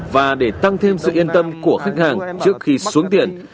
và để tăng thêm sự yên tâm của khách hàng trước khi xuống tiền